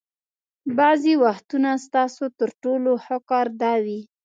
بعضې وختونه ستاسو تر ټولو ښه کار دا وي.